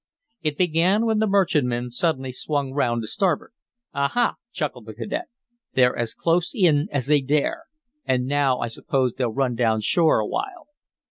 It began when the merchantman suddenly swung round to starboard. "Aha!" chuckled the cadet. "They're as close in as they dare. And now I suppose they'll run down shore awhile."